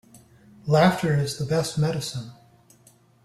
Laughter is the best medicine.